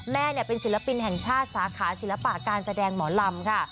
แม่เป็นศิลปินแห่งชาติสาขาศิลปะการแสดงหมอลำค่ะ